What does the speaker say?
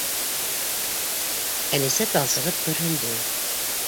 Әлисә талсығып көрһөндө.